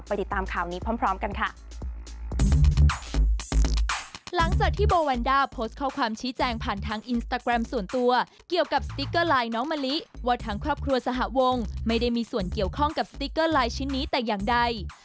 ติดตามข่าวนี้พร้อมกันค่ะ